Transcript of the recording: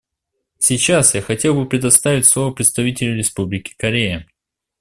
Сейчас я хотел бы предоставить слово представителю Республики Корея.